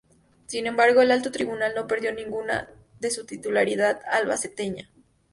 Sin embargo, el alto tribunal no perdió nunca su titularidad albaceteña.